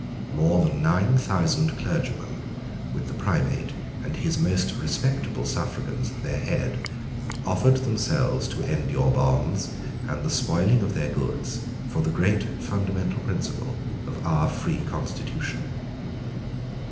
More than nine thousand clergymen, with the Primate and his most respectable suffragans at their head, offered themselves to endure bonds and the spoiling of their goods for the great fundamental principle of our free constitution.